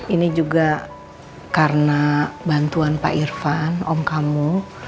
ini juga karena bantuan pak irfan om kamu